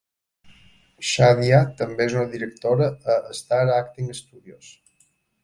Shadia també és una directora a Star Acting Studios.